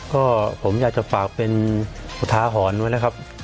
ก็ผมอยากจะฝากเป็นอุทาหรณ์ไว้นะครับ